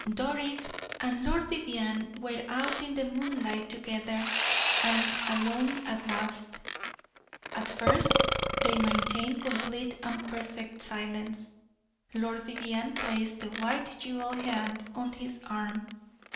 Doris and Lord Vivianne were out in the moonlight together, and alone at last. At first they maintained complete and perfect silence. Lord Vivianne placed the white jeweled hand on his arm.